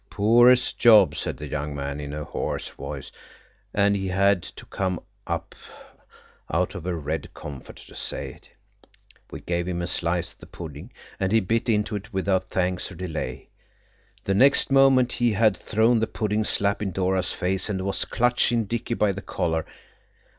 "Poor as Job," said the young man in a hoarse voice, and he had to come up out of a red comforter to say it. We gave him a slice of the pudding, and he bit into it without thanks or delay. The next minute he had thrown the pudding slap in Dora's face, and was clutching Dicky by the collar.